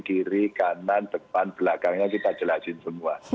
kiri kanan depan belakangnya kita jelasin semua